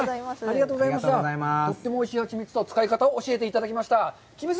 とってもおいしいハチミツの使い方を教えていただきました。